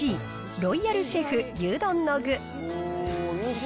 ロイヤルシェフ牛丼の具。